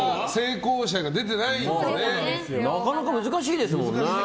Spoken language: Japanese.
なかなか難しいですもんね。